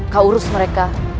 kau urus mereka